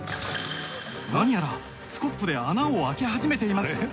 なにやらスコップで穴をあけ始めています。